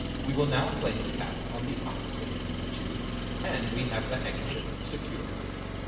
We will now place a cap on the opposite end of the tube and we have the handkerchief secure."